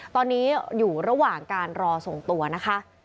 ตอนนี้อยู่ระหว่างการรอส่งตัวนะคะ